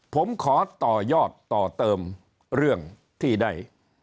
ผมขอต่อยอดต่อเติมเรื่องที่ได้